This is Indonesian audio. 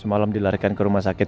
semalam dilarikan ke rumah sakit